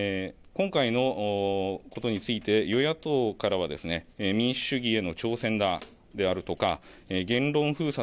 今回のことについて与野党からはですね民主主義への挑戦であるとか言論封殺